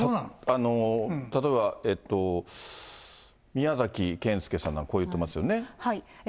これがだから、例えば、宮崎謙介さんなんかこう言ってますよね。